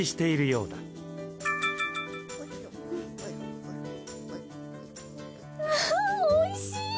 うんおいしい！